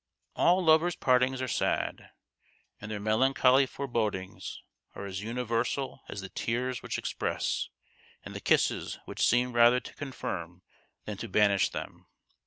All lovers' partings are sad, and their melan choly forebodings are as universal as the tears which express, and the kisses which seem rather to confirm than to banish them.